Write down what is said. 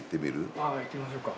ああ行ってみましょうか。